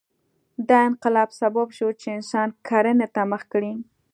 دا انقلاب سبب شو چې انسان کرنې ته مخه کړي.